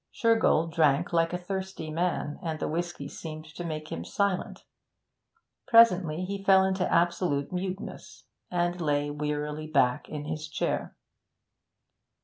Shergold drank like a thirsty man, and the whisky seemed to make him silent. Presently he fell into absolute muteness, and lay wearily back in his chair.